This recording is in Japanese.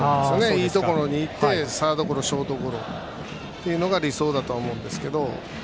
いいところにいて、サードゴロショートゴロというのが理想だとは思うんですけど。